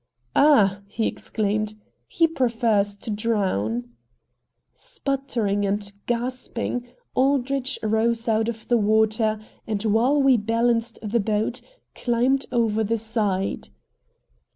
"Ah!" he exclaimed, "he prefers to drown!" Sputtering and gasping, Aldrich rose out of the water, and, while we balanced the boat, climbed over the side.